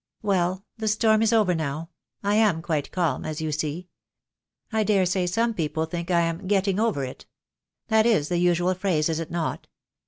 Well, the storm is over now. I am quite calm, as you see. I daresay some people think I am getting over it. That is the usual phrase, is it not?